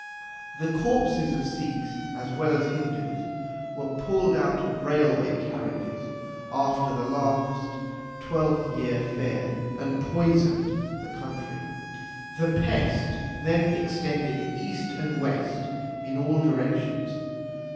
The corpses of Sikhs, as well as Hindus, were pulled out of railway carriages after the last twelfth year fair and poisoned the country. The pest then extended east and west in all directions.